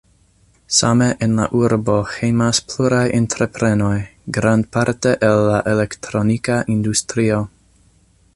Same en la urbo hejmas pluraj entreprenoj, grandparte el la elektronika industrio.